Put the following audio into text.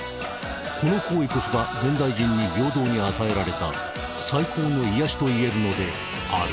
この行為こそが現代人に平等に与えられた最高の癒やしといえるのである